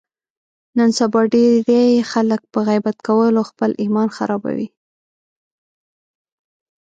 نن سبا ډېری خلک په غیبت کولو خپل ایمان خرابوي.